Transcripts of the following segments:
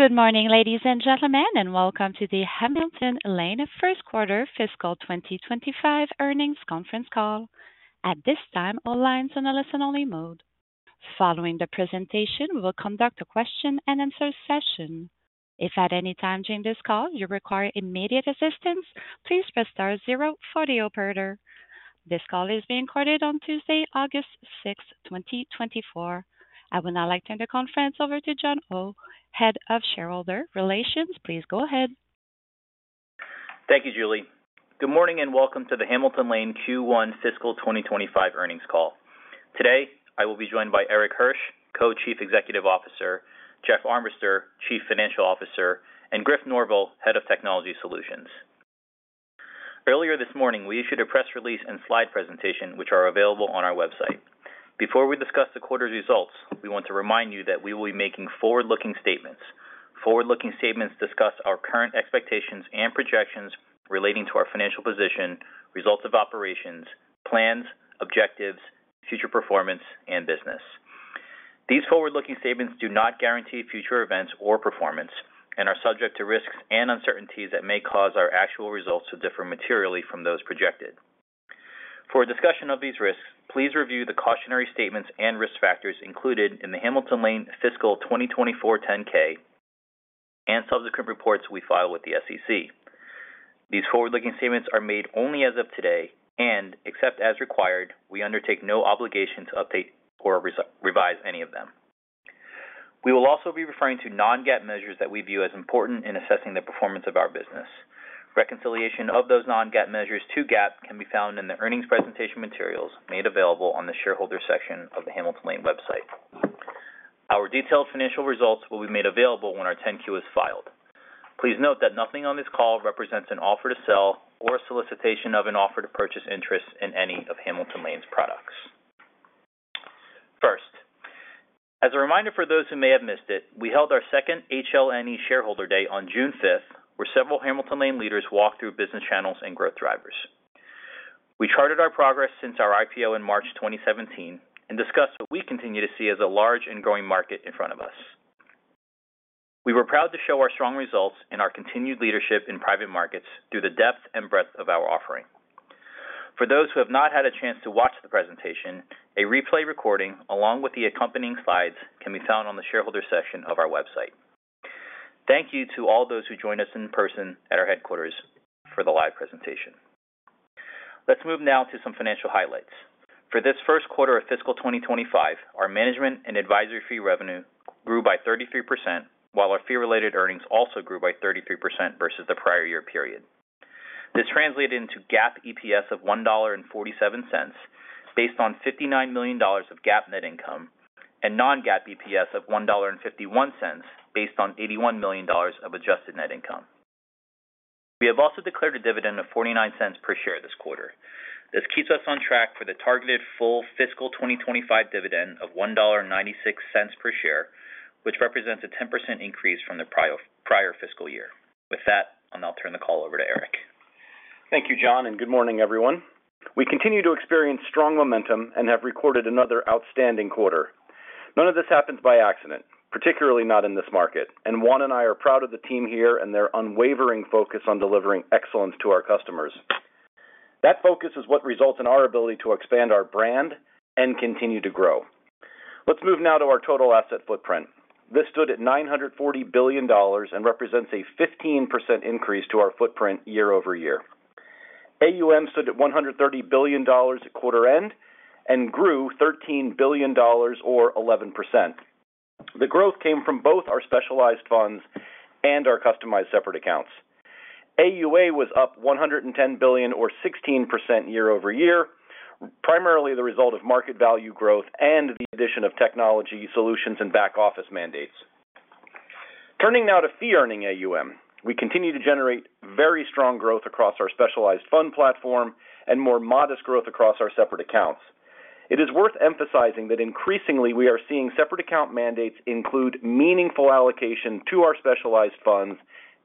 Good morning, ladies and gentlemen, and welcome to the Hamilton Lane First Quarter Fiscal 2025 Earnings Conference Call. At this time, all lines on a listen-only mode. Following the presentation, we will conduct a question-and-answer session. If at any time during this call you require immediate assistance, please press star zero for the operator. This call is being recorded on Tuesday, August 6, 2024. I would now like to turn the conference over to John Oh, Head of Shareholder Relations. Please go ahead. Thank you, Julie. Good morning, and welcome to the Hamilton Lane Q1 fiscal 2025 earnings call. Today, I will be joined by Erik Hirsch, Co-Chief Executive Officer, Jeff Armbruster, Chief Financial Officer, and Griff Norville, Head of Technology Solutions. Earlier this morning, we issued a press release and slide presentation, which are available on our website. Before we discuss the quarter's results, we want to remind you that we will be making forward-looking statements. Forward-looking statements discuss our current expectations and projections relating to our financial position, results of operations, plans, objectives, future performance, and business. These forward-looking statements do not guarantee future events or performance and are subject to risks and uncertainties that may cause our actual results to differ materially from those projected. For a discussion of these risks, please review the cautionary statements and risk factors included in the Hamilton Lane fiscal 2024 10-K, and subsequent reports we file with the SEC. These forward-looking statements are made only as of today, and except as required, we undertake no obligation to update or revise any of them. We will also be referring to non-GAAP measures that we view as important in assessing the performance of our business. Reconciliation of those non-GAAP measures to GAAP can be found in the earnings presentation materials made available on the shareholder section of the Hamilton Lane website. Our detailed financial results will be made available when our 10-Q is filed. Please note that nothing on this call represents an offer to sell or a solicitation of an offer to purchase interest in any of Hamilton Lane's products. First, as a reminder for those who may have missed it, we held our second HLNE Shareholder Day on June 5th, where several Hamilton Lane leaders walked through business channels and growth drivers. We charted our progress since our IPO in March 2017, and discussed what we continue to see as a large and growing market in front of us. We were proud to show our strong results and our continued leadership in private markets through the depth and breadth of our offering. For those who have not had a chance to watch the presentation, a replay recording, along with the accompanying slides, can be found on the shareholder section of our website. Thank you to all those who joined us in person at our headquarters for the live presentation. Let's move now to some financial highlights. For this first quarter of fiscal 2025, our management and advisory fee revenue grew by 33%, while our fee-related earnings also grew by 33% versus the prior year period. This translated into GAAP EPS of $1.47, based on $59 million of GAAP net income and non-GAAP EPS of $1.51, based on $81 million of adjusted net income. We have also declared a dividend of $0.49 per share this quarter. This keeps us on track for the targeted full fiscal 2025 dividend of $1.96 per share, which represents a 10% increase from the prior, prior fiscal year. With that, I'll now turn the call over to Erik. Thank you, John, and good morning, everyone. We continue to experience strong momentum and have recorded another outstanding quarter. None of this happens by accident, particularly not in this market, and Juan and I are proud of the team here and their unwavering focus on delivering excellence to our customers. That focus is what results in our ability to expand our brand and continue to grow. Let's move now to our total asset footprint. This stood at $940 billion and represents a 15% increase to our footprint year-over-year. AUM stood at $130 billion at quarter end and grew $13 billion or 11%. The growth came from both our specialized funds and our customized separate accounts. AUA was up $110 billion or 16% year-over-year, primarily the result of market value growth and the addition of technology solutions and back-office mandates. Turning now to fee earning AUM. We continue to generate very strong growth across our specialized fund platform and more modest growth across our separate accounts. It is worth emphasizing that increasingly we are seeing separate account mandates include meaningful allocation to our specialized funds,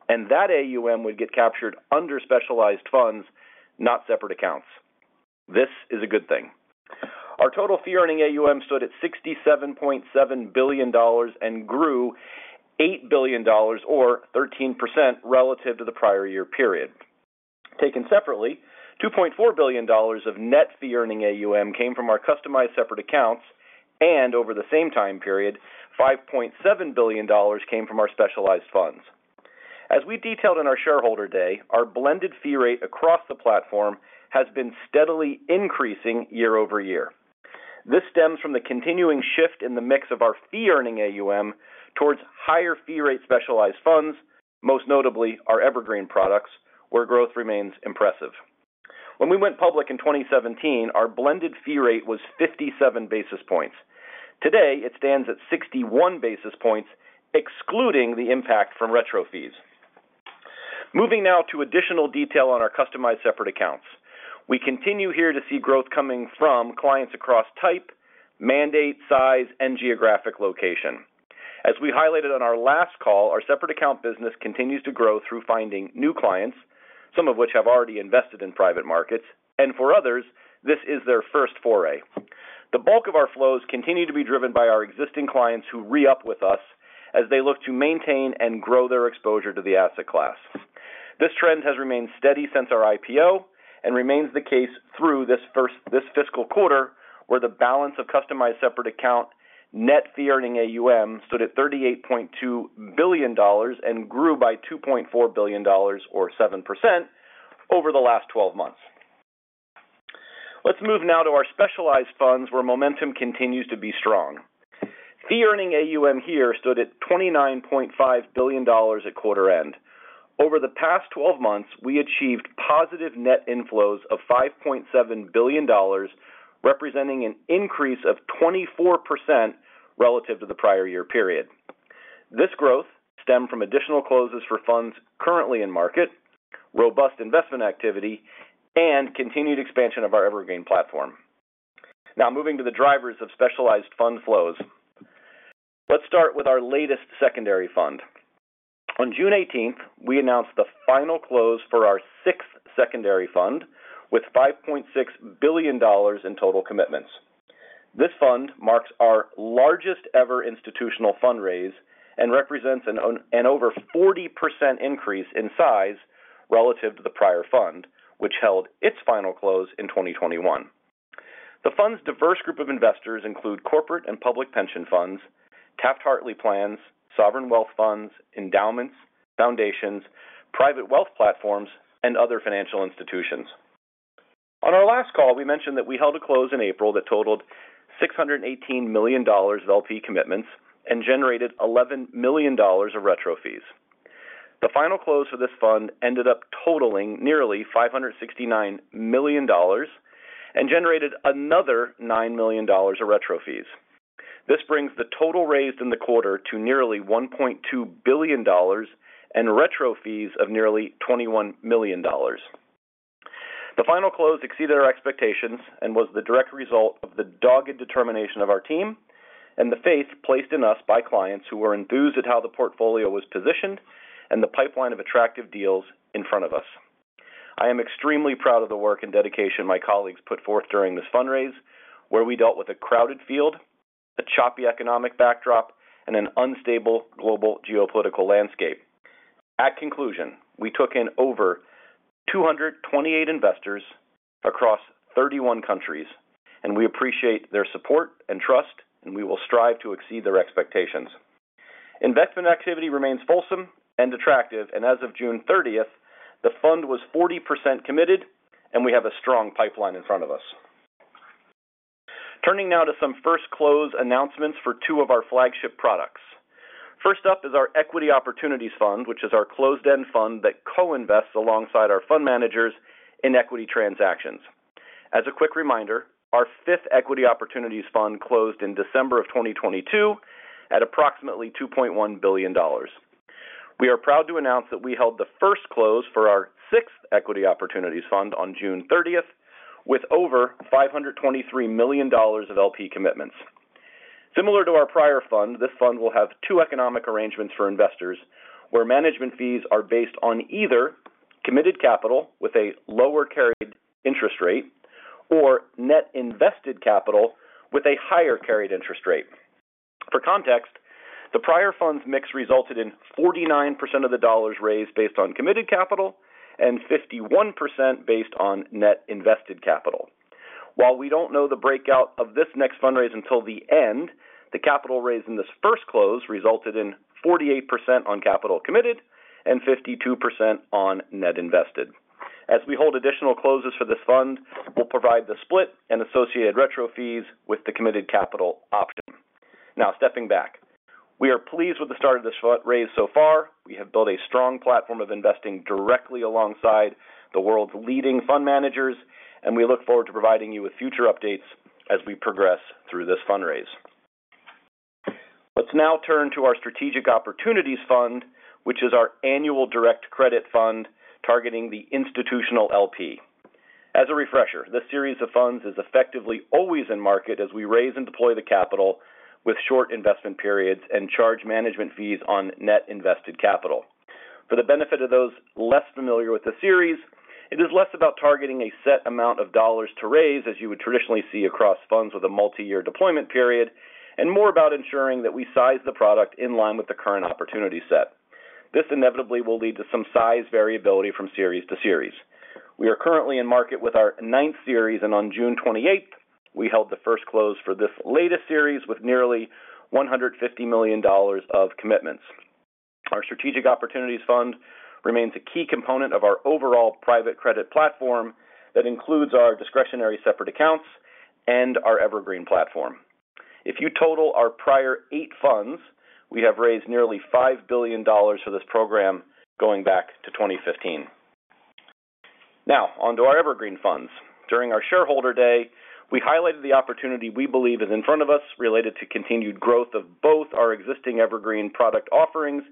and that AUM would get captured under specialized funds, not separate accounts. This is a good thing. Our total fee earning AUM stood at $67.7 billion and grew $8 billion or 13% relative to the prior year period. Taken separately, $2.4 billion of net fee earning AUM came from our customized separate accounts, and over the same time period, $5.7 billion came from our specialized funds. As we detailed on our shareholder day, our blended fee rate across the platform has been steadily increasing year-over-year. This stems from the continuing shift in the mix of our fee-earning AUM towards higher fee rate specialized funds, most notably our Evergreen products, where growth remains impressive. When we went public in 2017, our blended fee rate was 57 basis points. Today, it stands at 61 basis points, excluding the impact from retro fees. Moving now to additional detail on our customized separate accounts. We continue here to see growth coming from clients across type, mandate, size, and geographic location. As we highlighted on our last call, our separate account business continues to grow through finding new clients, some of which have already invested in private markets, and for others, this is their first foray. The bulk of our flows continue to be driven by our existing clients who re-up with us as they look to maintain and grow their exposure to the asset class. This trend has remained steady since our IPO and remains the case through this fiscal quarter, where the balance of customized separate account net fee-earning AUM stood at $38.2 billion and grew by $2.4 billion, or 7%, over the last 12 months. Let's move now to our specialized funds, where momentum continues to be strong. Fee-earning AUM here stood at $29.5 billion at quarter end. Over the past 12 months, we achieved positive net inflows of $5.7 billion, representing an increase of 24% relative to the prior year period. This growth stemmed from additional closes for funds currently in market, robust investment activity, and continued expansion of our Evergreen platform. Now moving to the drivers of specialized fund flows. Let's start with our latest secondary fund. On June 18th, we announced the final close for our sixth secondary fund, with $5.6 billion in total commitments. This fund marks our largest ever institutional fundraiser and represents an over 40% increase in size relative to the prior fund, which held its final close in 2021. The fund's diverse group of investors include corporate and public pension funds, Taft-Hartley plans, sovereign wealth funds, endowments, foundations, private wealth platforms, and other financial institutions. On our last call, we mentioned that we held a close in April that totaled $618 million of LP commitments and generated $11 million of retro fees. The final close for this fund ended up totaling nearly $569 million and generated another $9 million of retro fees. This brings the total raised in the quarter to nearly $1.2 billion and retro fees of nearly $21 million. The final close exceeded our expectations and was the direct result of the dogged determination of our team and the faith placed in us by clients who were enthused at how the portfolio was positioned and the pipeline of attractive deals in front of us. I am extremely proud of the work and dedication my colleagues put forth during this fundraise, where we dealt with a crowded field, a choppy economic backdrop, and an unstable global geopolitical landscape. At conclusion, we took in over 228 investors across 31 countries, and we appreciate their support and trust, and we will strive to exceed their expectations. Investment activity remains fulsome and attractive, and as of June thirtieth, the fund was 40% committed, and we have a strong pipeline in front of us. Turning now to some first close announcements for two of our flagship products. First up is our Equity Opportunities Fund, which is our closed-end fund that co-invests alongside our fund managers in equity transactions. As a quick reminder, our fifth Equity Opportunities Fund closed in December of 2022 at approximately $2.1 billion. We are proud to announce that we held the first close for our sixth Equity Opportunities Fund on June thirtieth, with over $523 million of LP commitments. Similar to our prior fund, this fund will have two economic arrangements for investors, where management fees are based on either committed capital with a lower carried interest rate or net invested capital with a higher carried interest rate. For context, the prior fund's mix resulted in 49% of the dollars raised based on committed capital and 51% based on net invested capital. While we don't know the breakout of this next fundraise until the end, the capital raised in this first close resulted in 48% on capital committed and 52% on net invested. As we hold additional closes for this fund, we'll provide the split and associated retro fees with the committed capital option. Now, stepping back, we are pleased with the start of this fundraise so far. We have built a strong platform of investing directly alongside the world's leading fund managers, and we look forward to providing you with future updates as we progress through this fundraise. Let's now turn to our Strategic Opportunities Fund, which is our annual direct credit fund targeting the institutional LP. As a refresher, this series of funds is effectively always in market as we raise and deploy the capital with short investment periods and charge management fees on net invested capital. For the benefit of those less familiar with the series, it is less about targeting a set amount of dollars to raise, as you would traditionally see across funds with a multi-year deployment period, and more about ensuring that we size the product in line with the current opportunity set. This inevitably will lead to some size variability from series to series. We are currently in market with our ninth series, and on June 28th, we held the first close for this latest series with nearly $150 million of commitments. Our Strategic Opportunities Fund remains a key component of our overall private credit platform. That includes our discretionary separate accounts and our Evergreen platform. If you total our prior eight funds, we have raised nearly $5 billion for this program going back to 2015. Now onto our Evergreen funds. During our Shareholder Day, we highlighted the opportunity we believe is in front of us related to continued growth of both our existing Evergreen product offerings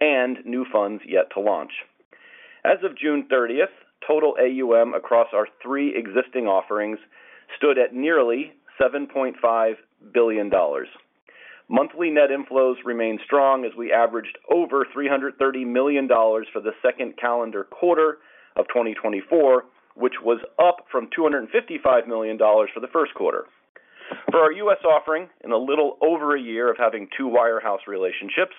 and new funds yet to launch. As of June 30th, total AUM across our three existing offerings stood at nearly $7.5 billion.... Monthly net inflows remained strong as we averaged over $330 million for the second calendar quarter of 2024, which was up from $255 million for the first quarter. For our US offering, in a little over a year of having two wirehouse relationships,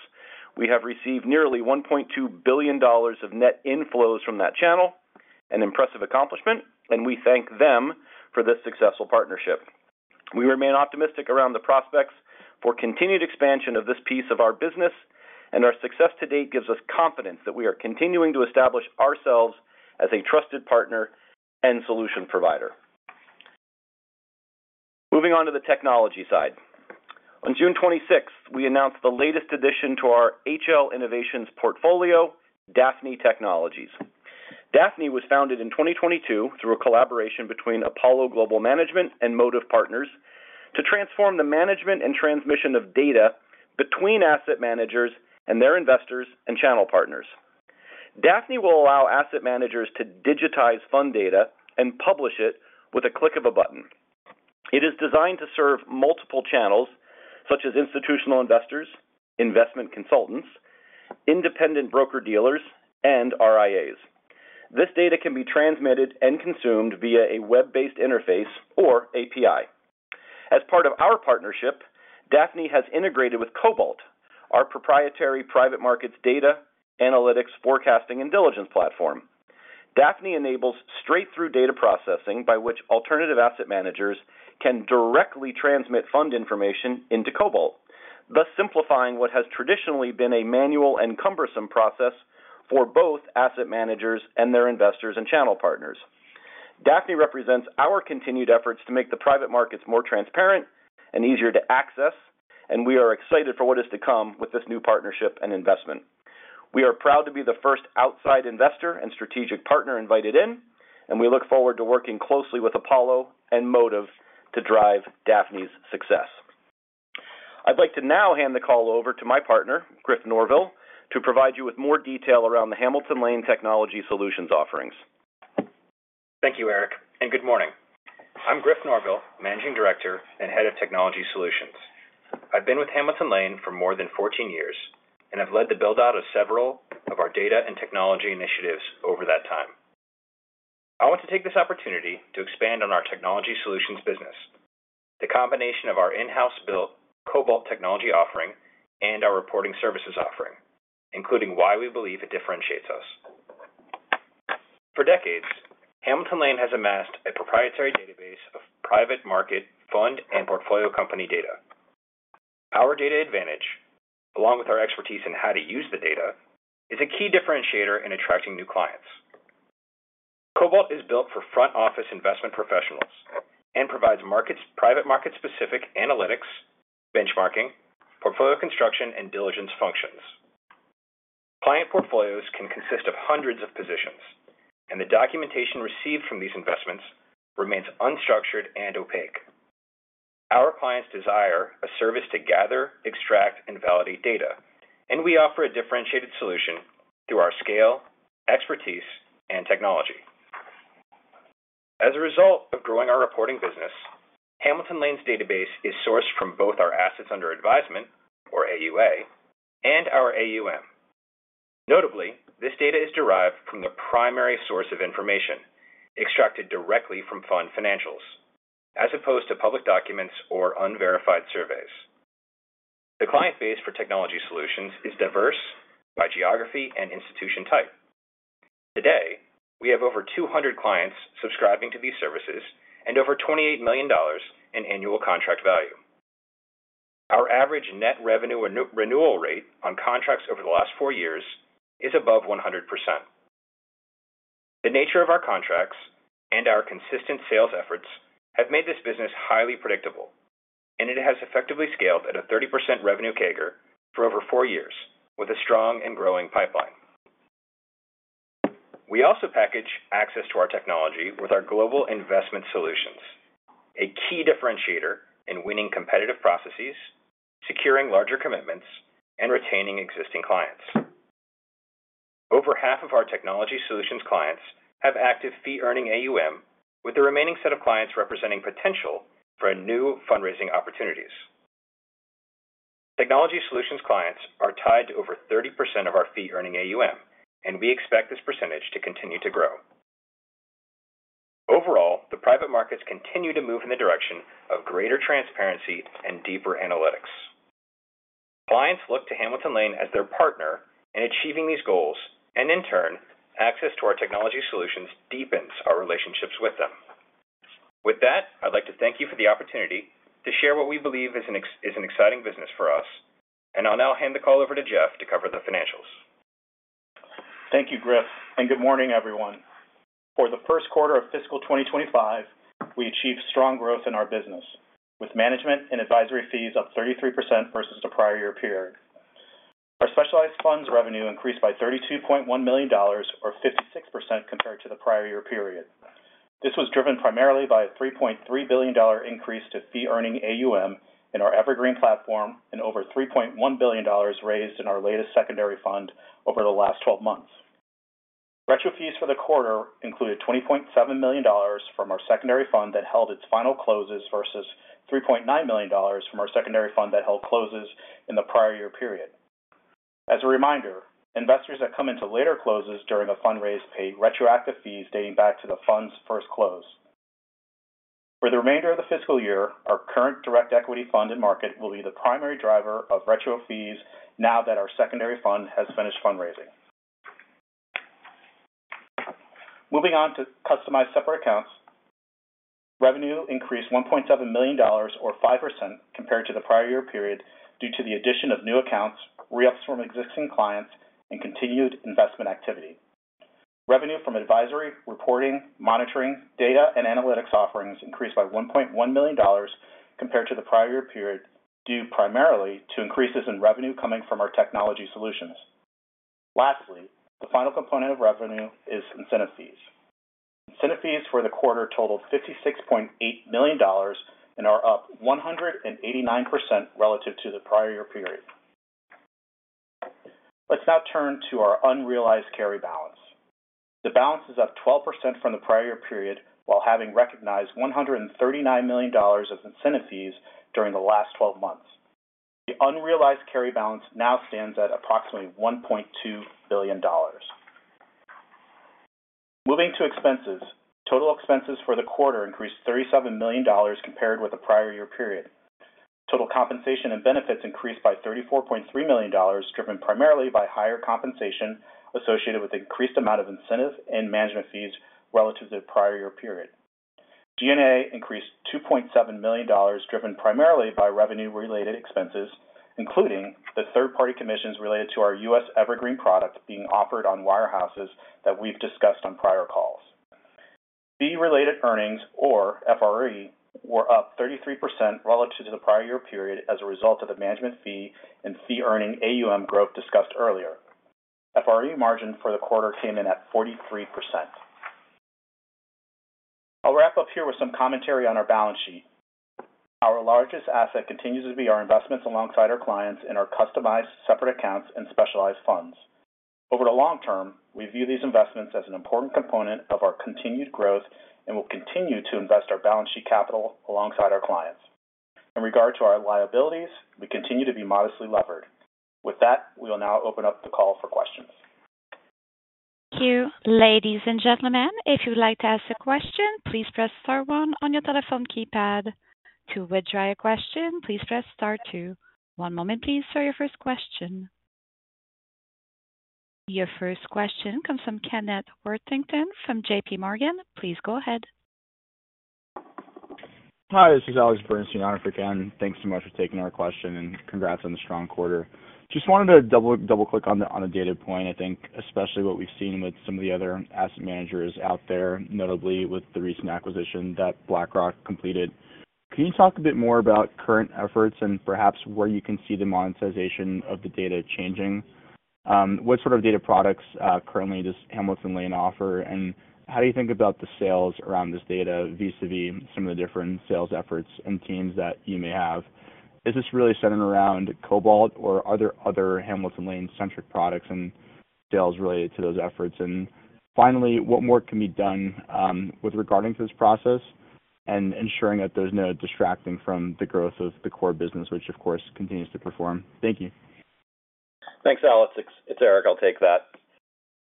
we have received nearly $1.2 billion of net inflows from that channel, an impressive accomplishment, and we thank them for this successful partnership. We remain optimistic around the prospects for continued expansion of this piece of our business, and our success to date gives us confidence that we are continuing to establish ourselves as a trusted partner and solution provider. Moving on to the technology side. On June 26th, we announced the latest addition to our HL Innovations portfolio, Daphne Technologies. Daphne was founded in 2022 through a collaboration between Apollo Global Management and Motive Partners, to transform the management and transmission of data between asset managers and their investors and channel partners. Daphne will allow asset managers to digitize fund data and publish it with a click of a button. It is designed to serve multiple channels, such as institutional investors, investment consultants, independent broker-dealers, and RIAs. This data can be transmitted and consumed via a web-based interface or API. As part of our partnership, Daphnehas integrated with Cobalt, our proprietary private markets data, analytics, forecasting, and diligence platform. Daphne enables straight-through data processing by which alternative asset managers can directly transmit fund information into Cobalt, thus simplifying what has traditionally been a manual and cumbersome process for both asset managers and their investors and channel partners. Daphne represents our continued efforts to make the private markets more transparent and easier to access, and we are excited for what is to come with this new partnership and investment. We are proud to be the first outside investor and strategic partner invited in, and we look forward to working closely with Apollo and Motive to drive Daphne's success. I'd like to now hand the call over to my partner, Griff Norville, to provide you with more detail around the Hamilton Lane Technology Solutions offerings. Thank you, Erik, and good morning. I'm Griff Norville, Managing Director and Head of Technology Solutions. I've been with Hamilton Lane for more than 14 years, and I've led the build-out of several of our data and technology initiatives over that time. I want to take this opportunity to expand on our technology solutions business, the combination of our in-house built Cobalt technology offering and our reporting services offering, including why we believe it differentiates us. For decades, Hamilton Lane has amassed a proprietary database of private market fund and portfolio company data. Our data advantage, along with our expertise in how to use the data, is a key differentiator in attracting new clients. Cobalt is built for front office investment professionals and provides private market-specific analytics, benchmarking, portfolio construction, and diligence functions. Client portfolios can consist of hundreds of positions, and the documentation received from these investments remains unstructured and opaque. Our clients desire a service to gather, extract, and validate data, and we offer a differentiated solution through our scale, expertise, and technology. As a result of growing our reporting business, Hamilton Lane's database is sourced from both our Assets Under Advisement, or AUA, and our AUM. Notably, this data is derived from the primary source of information extracted directly from fund financials, as opposed to public documents or unverified surveys. The client base for Technology Solutions is diverse by geography and institution type. Today, we have over 200 clients subscribing to these services and over $28 million in annual contract value. Our average net revenue renewal rate on contracts over the last four years is above 100%. The nature of our contracts and our consistent sales efforts have made this business highly predictable, and it has effectively scaled at a 30% revenue CAGR for over four years, with a strong and growing pipeline. We also package access to our technology with our global investment solutions, a key differentiator in winning competitive processes, securing larger commitments, and retaining existing clients. Over half of our technology solutions clients have active fee-earning AUM, with the remaining set of clients representing potential for new fundraising opportunities. Technology solutions clients are tied to over 30% of our fee-earning AUM, and we expect this percentage to continue to grow. Overall, the private markets continue to move in the direction of greater transparency and deeper analytics. Clients look to Hamilton Lane as their partner in achieving these goals, and in turn, access to our technology solutions deepens our relationships with them. With that, I'd like to thank you for the opportunity to share what we believe is an exciting business for us, and I'll now hand the call over to Jeff to cover the financials. Thank you, Griff, and good morning, everyone. For the first quarter of fiscal 2025, we achieved strong growth in our business, with management and advisory fees up 33% versus the prior year period. Our specialized funds revenue increased by $32.1 million or 56% compared to the prior year period. This was driven primarily by a $3.3 billion increase to fee-earning AUM in our Evergreen platform and over $3.1 billion raised in our latest secondary fund over the last 12 months.... Retro fees for the quarter included $20.7 million from our secondary fund that held its final closes, versus $3.9 million from our secondary fund that held closes in the prior year period. As a reminder, investors that come into later closes during a fund raise pay retroactive fees dating back to the fund's first close. For the remainder of the fiscal year, our current direct equity fund in market will be the primary driver of retro fees now that our secondary fund has finished fundraising. Moving on to customized separate accounts. Revenue increased $1.7 million or 5% compared to the prior year period, due to the addition of new accounts, re-ups from existing clients and continued investment activity. Revenue from advisory, reporting, monitoring, data, and analytics offerings increased by $1.1 million compared to the prior year period, due primarily to increases in revenue coming from our Technology Solutions. Lastly, the final component of revenue is incentive fees. Incentive fees for the quarter totaled $56.8 million and are up 189% relative to the prior year period. Let's now turn to our unrealized carry balance. The balance is up 12% from the prior year period, while having recognized $139 million of incentive fees during the last twelve months. The unrealized carry balance now stands at approximately $1.2 billion. Moving to expenses. Total expenses for the quarter increased $37 million compared with the prior year period. Total compensation and benefits increased by $34.3 million, driven primarily by higher compensation associated with increased amount of incentive and management fees relative to the prior year period. G&A increased $2.7 million, driven primarily by revenue-related expenses, including the third-party commissions related to our U.S. Evergreen product being offered on wirehouses that we've discussed on prior calls. Fee-related earnings, or FRE, were up 33% relative to the prior year period as a result of the management fee and fee earning AUM growth discussed earlier. FRE margin for the quarter came in at 43%. I'll wrap up here with some commentary on our balance sheet. Our largest asset continues to be our investments alongside our clients in our Customized Separate Accounts and Specialized Funds. Over the long term, we view these investments as an important component of our continued growth and will continue to invest our balance sheet capital alongside our clients. In regard to our liabilities, we continue to be modestly levered. With that, we will now open up the call for questions. Thank you. Ladies and gentlemen, if you'd like to ask a question, please press star one on your telephone keypad. To withdraw your question, please press star two. One moment please, for your first question. Your first question comes from Kenneth Worthington from JP Morgan. Please go ahead. Hi, this is Alex Bernstein, on for Ken. Thanks so much for taking our question, and congrats on the strong quarter. Just wanted to double-click on a data point. I think especially what we've seen with some of the other asset managers out there, notably with the recent acquisition that BlackRock completed. Can you talk a bit more about current efforts and perhaps where you can see the monetization of the data changing? What sort of data products currently does Hamilton Lane offer, and how do you think about the sales around this data vis-a-vis some of the different sales efforts and teams that you may have? Is this really centered around Cobalt or are there other Hamilton Lane-centric products and sales related to those efforts? Finally, what more can be done with regard to this process and ensuring that there's no distraction from the growth of the core business, which, of course, continues to perform? Thank you. Thanks, Alex. It's Erik. I'll take that.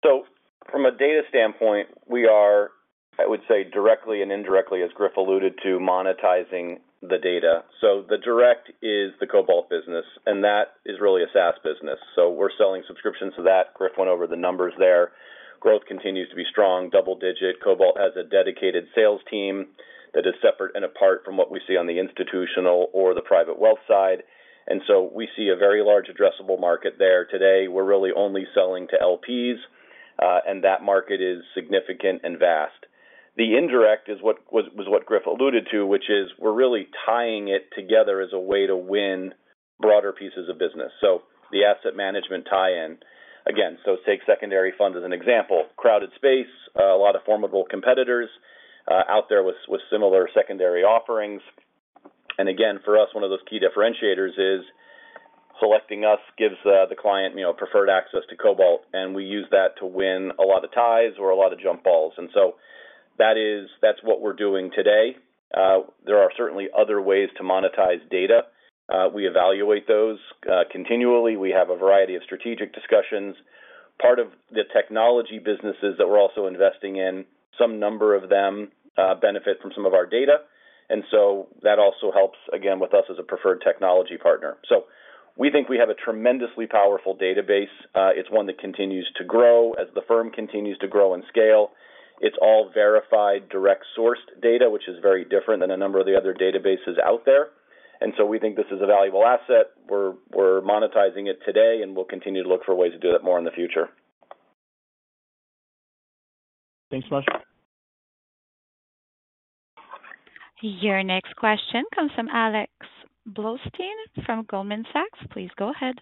So from a data standpoint, we are, I would say, directly and indirectly, as Griff alluded to, monetizing the data. So the direct is the Cobalt business, and that is really a SaaS business, so we're selling subscriptions to that. Griff went over the numbers there. Growth continues to be strong. Double digit. Cobalt has a dedicated sales team that is separate and apart from what we see on the institutional or the private wealth side, and so we see a very large addressable market there. Today, we're really only selling to LPs, and that market is significant and vast. The indirect is what Griff alluded to, which is we're really tying it together as a way to win broader pieces of business, so the asset management tie-in. Again, so take secondary fund as an example. Crowded space, a lot of formidable competitors out there with similar secondary offerings. And again, for us, one of those key differentiators is selecting us gives the client, you know, preferred access to Cobalt, and we use that to win a lot of ties or a lot of jump balls. And so that is—that's what we're doing today. There are certainly other ways to monetize data. We evaluate those continually. We have a variety of strategic discussions. Part of the technology businesses that we're also investing in, some number of them benefit from some of our data, and so that also helps, again, with us as a preferred technology partner. So we think we have a tremendously powerful database. It's one that continues to grow as the firm continues to grow and scale. It's all verified, direct sourced data, which is very different than a number of the other databases out there. And so we think this is a valuable asset. We're monetizing it today, and we'll continue to look for ways to do that more in the future. Thanks much. Your next question comes from Alexander Blostein from Goldman Sachs. Please go ahead.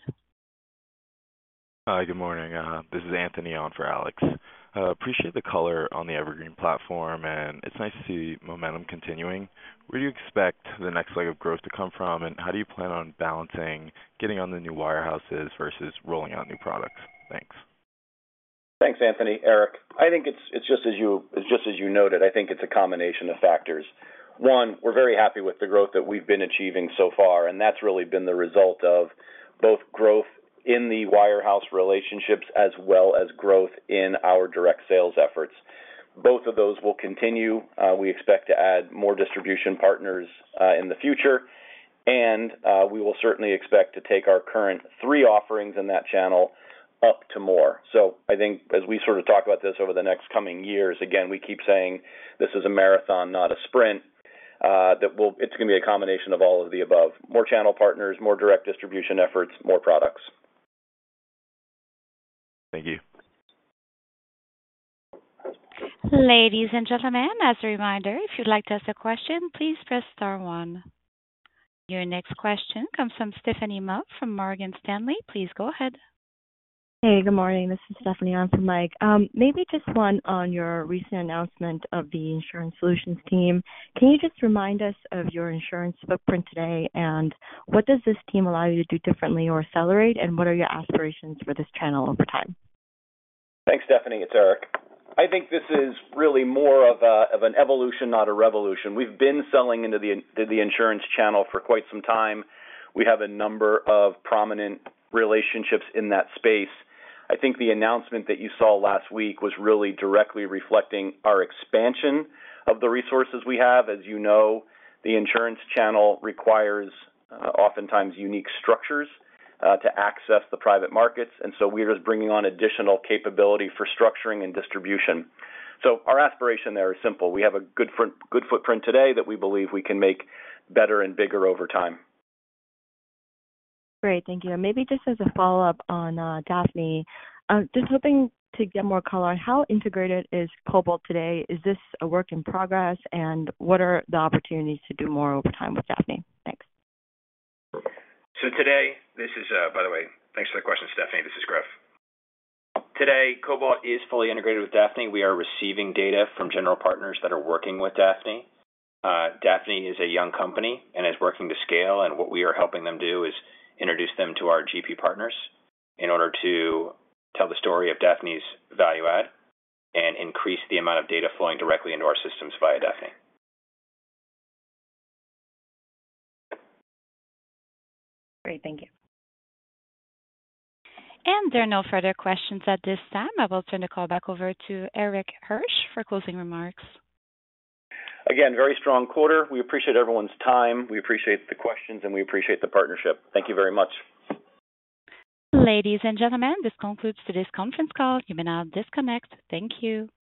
Hi, good morning. This is Anthony on for Alex. Appreciate the color on the Evergreen platform, and it's nice to see momentum continuing. Where do you expect the next leg of growth to come from, and how do you plan on balancing, getting on the new wirehouses versus rolling out new products? Thanks. ...Thanks, Anthony. Erik, I think it's just as you noted, I think it's a combination of factors. One, we're very happy with the growth that we've been achieving so far, and that's really been the result of both growth in the wirehouse relationships as well as growth in our direct sales efforts. Both of those will continue. We expect to add more distribution partners in the future, and we will certainly expect to take our current three offerings in that channel up to more. So I think as we sort of talk about this over the next coming years, again, we keep saying this is a marathon, not a sprint. That will - it's gonna be a combination of all of the above. More channel partners, more direct distribution efforts, more products. Thank you. Ladies and gentlemen, as a reminder, if you'd like to ask a question, please press star one. Your next question comes from Stephanie Ma from Morgan Stanley. Please go ahead. Hey, good morning. This is Stephanie on for Mike. Maybe just one on your recent announcement of the insurance solutions team. Can you just remind us of your insurance footprint today, and what does this team allow you to do differently or accelerate, and what are your aspirations for this channel over time? Thanks, Stephanie. It's Erik. I think this is really more of an evolution, not a revolution. We've been selling into the insurance channel for quite some time. We have a number of prominent relationships in that space. I think the announcement that you saw last week was really directly reflecting our expansion of the resources we have. As you know, the insurance channel requires oftentimes unique structures to access the private markets, and so we're just bringing on additional capability for structuring and distribution. So our aspiration there is simple: we have a good footprint today that we believe we can make better and bigger over time. Great. Thank you. And maybe just as a follow-up on, Daphne, just hoping to get more color on how integrated is Cobalt today. Is this a work in progress, and what are the opportunities to do more over time with Daphne? Thanks. So today, this is... By the way, thanks for the question, Stephanie. This is Griff. Today, Cobalt is fully integrated with Daphne. We are receiving data from general partners that are working with Daphne. Daphne is a young company and is working to scale, and what we are helping them do is introduce them to our GP partners in order to tell the story of Daphne's value add and increase the amount of data flowing directly into our systems via Daphne. Great. Thank you. There are no further questions at this time. I will turn the call back over to Erik Hirsch for closing remarks. Again, very strong quarter. We appreciate everyone's time, we appreciate the questions, and we appreciate the partnership. Thank you very much. Ladies and gentlemen, this concludes today's conference call. You may now disconnect. Thank you.